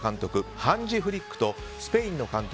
ハンジ・フリック監督とスペインの監督